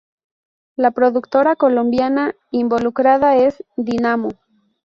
La productora colombiana involucrada es Dynamo.